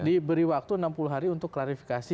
diberi waktu enam puluh hari untuk klarifikasi